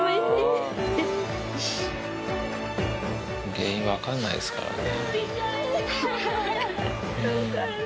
原因が分かんないですからね。